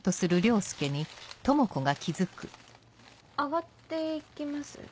上がって行きます？